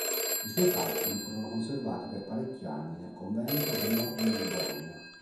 I suoi calcoli furono conservati per parecchi anni nel Convento dell'Ordine di Bologna.